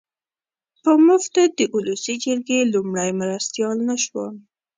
په مفته د اولسي جرګې لومړی مرستیال نه شوم.